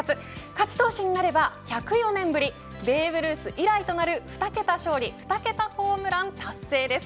勝ち投手になれば１０４年ぶりベーブ・ルース以来となる２桁勝利２桁ホームラン達成です。